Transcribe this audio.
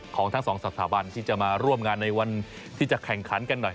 ของทั้งสองสถาบันที่จะมาร่วมงานในวันที่จะแข่งขันกันหน่อย